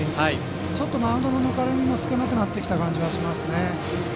ちょっとマウンドのぬかるみも少なくなってきた感じがあります。